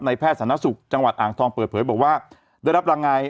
ในแพทย์ศาลนักศึกษ์จังหวัดอ่างทองเปิดเผยบอกว่า